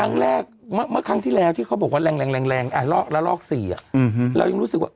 ไงครั้งที่แรกที่เขาบอกว่าแรงแรงแรงแรงอะลอกแล้วลากสี่อะ